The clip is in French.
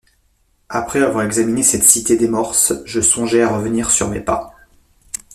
Après avoir examiné cette cité des morses, je songeai à revenir sur mes pas.